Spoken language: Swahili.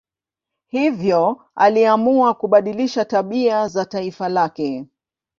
Hivyo aliamua kubadilisha tabia za taifa lake.